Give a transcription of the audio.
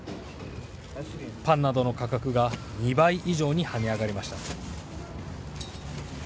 パンなどの価格が２倍以上に跳ね上がりました。